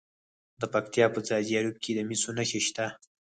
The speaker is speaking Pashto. د پکتیا په ځاځي اریوب کې د مسو نښې شته.